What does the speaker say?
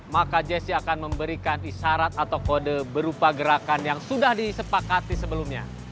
maka jessi akan memberikan isyarat atau kode berupa gerakan yang sudah disepakati sebelumnya